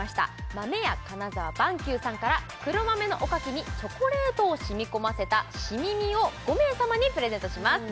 まめや金澤萬久さんから黒豆のおかきにチョコレートを染み込ませたしみみを５名様にプレゼントします